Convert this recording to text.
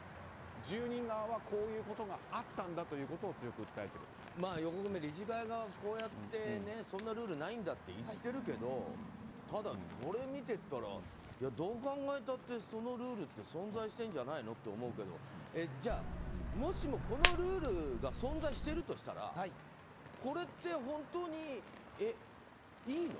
住人側はこういうことがあったんだということを横粂、理事会側がそんなルールないんだと言っているけどただ、これを見てったらどう考えたってそのルールって存在してんじゃないのって思うけど、もしもこのルールが存在してるとしたらこれって、本当にいいの？